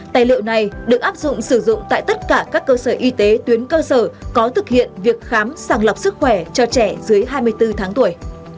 tài liệu này được áp dụng sử dụng tại tất cả các cơ sở y tế tuyến cơ sở có thực hiện việc khám sàng lọc sức khỏe cho trẻ dưới hai mươi bốn tháng tuổi